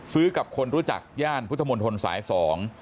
ซื้อกับคนรู้จักย่านพุทธมนต์ศรษฐ์๒